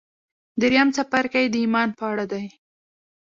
درېيم څپرکی د ايمان په اړه دی.